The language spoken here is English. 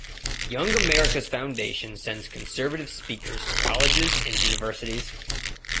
Young America's Foundation sends conservative speakers to colleges and universities.